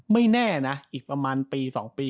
ไม่แน่นะอีกประมาณปี๒ปี